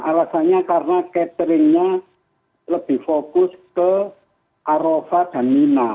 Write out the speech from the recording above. alasannya karena cateringnya lebih fokus ke arofa dan mina